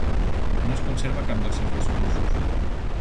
No es conserva cap dels seus discursos.